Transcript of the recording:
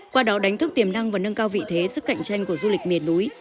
qua đó đánh thức tiềm năng và nâng cao vị thế sức cạnh tranh của du lịch miền núi